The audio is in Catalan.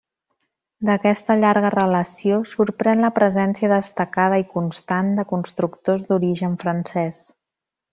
D'aquesta llarga relació sorprèn la presència destacada i constant de constructors d'origen francès.